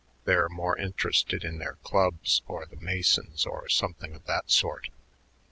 They're more interested in their clubs or the Masons or something of that sort."